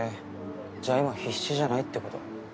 じゃあ今は必死じゃないってこと？